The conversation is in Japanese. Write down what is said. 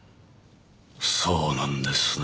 そうなんですね。